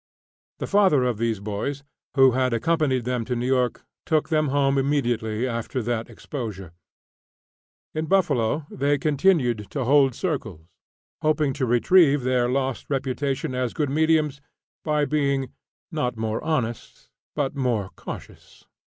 The father of these boys, who had accompanied them to New York, took them home immediately after that exposure. In Buffalo, they continued to hold "circles," hoping to retrieve their lost reputation as good mediums by being, not more honest, but more cautious.